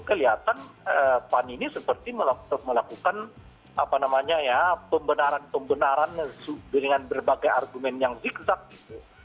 kelihatan pan ini seperti melakukan pembenaran pembenaran dengan berbagai argumen yang zigzag gitu